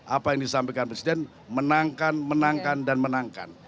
apa yang disampaikan presiden menangkan menangkan dan menangkan